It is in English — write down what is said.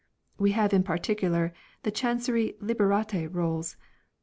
we have in particular the Chancery Liberate Rolls.